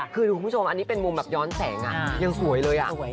คือคุณผู้ชมอันนี้เป็นมุมแบบย้อนแสงยังสวยเลยอ่ะ